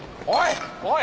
おい！